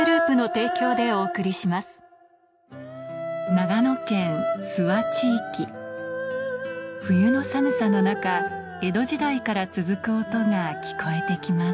長野県諏訪地域冬の寒さの中江戸時代から続く音が聞こえてきます